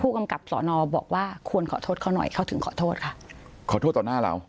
กำกับสอนอบอกว่าควรขอโทษเขาหน่อยเขาถึงขอโทษค่ะขอโทษต่อหน้าเรา